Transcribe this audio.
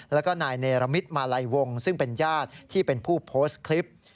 แล้วก็นายเนรมิตมาลัยวงซึ่งเป็นญาติที่เป็นผู้โพสต์คลิป